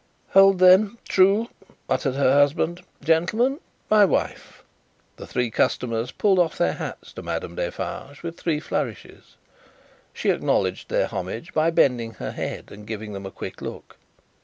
"Hold then! True!" muttered her husband. "Gentlemen my wife!" The three customers pulled off their hats to Madame Defarge, with three flourishes. She acknowledged their homage by bending her head, and giving them a quick look.